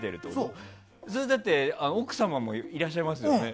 それは奥様もいらっしゃいますよね。